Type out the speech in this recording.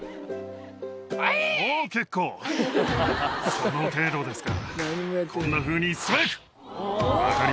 その程度ですか。